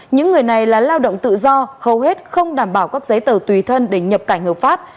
những người này là lao động tự do hầu hết không đảm bảo các giấy tờ tùy thân để nhập cảnh hợp pháp